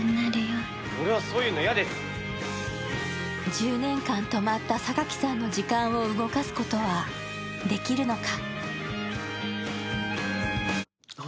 １０年間止まった榊さんの時間を動かすことはできるのか。